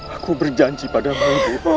aku berjanji pada ibu